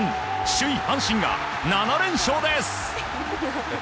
首位、阪神が７連勝です。